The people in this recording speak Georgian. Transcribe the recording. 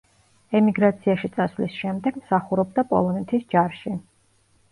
ემიგრაციაში წასვლის შემდეგ მსახურობდა პოლონეთის ჯარში.